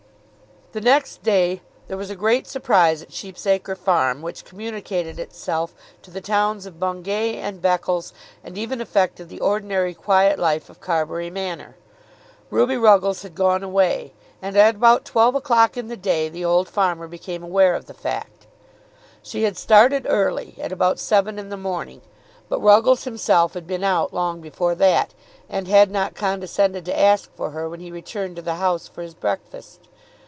The next day there was great surprise at Sheep's Acre farm, which communicated itself to the towns of Bungay and Beccles, and even affected the ordinary quiet life of Carbury Manor. Ruby Ruggles had gone away, and at about twelve o'clock in the day the old farmer became aware of the fact. She had started early, at about seven in the morning; but Ruggles himself had been out long before that, and had not condescended to ask for her when he returned to the house for his breakfast.